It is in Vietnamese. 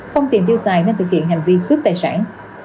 không tiền tiêu xài nên thực hiện hành vi cướp tài sản